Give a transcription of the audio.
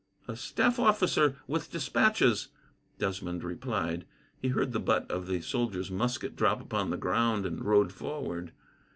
"A staff officer, with despatches," Desmond replied. He heard the butt of the soldier's musket drop upon the ground, and rode forward.